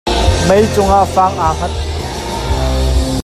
Meicung ah faang an hngat.